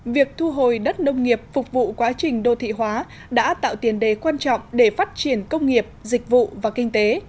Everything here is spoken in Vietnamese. việc thu hồi đất nông nghiệp phục vụ quá trình đô thị hóa đã tạo tiền đề quan trọng để phát triển công nghiệp dịch vụ và kinh tế